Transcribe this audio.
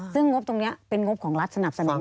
ซึ่งงบตรงนี้เป็นงบของรัฐสนับสนุน